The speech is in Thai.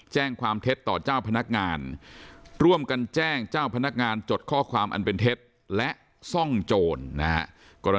แจ้งความเท็จต่อเจ้าพนักงานร่วมกันแจ้งเจ้าพนักงานจดข้อความอันเป็นเท็จและซ่องโจรนะฮะ